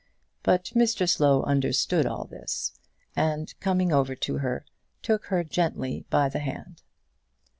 But Mr Slow understood all this, and, coming over to her, took her gently by the hand.